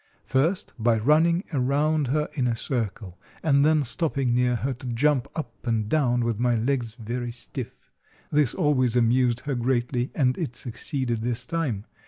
First, by running around her in a circle, and then stopping near her to jump up and down with my legs very stiff. This always amused her greatly, and it succeeded this time.